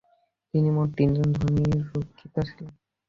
তিনি মোট তিনজন ধনীর রক্ষিতা ছিলেন।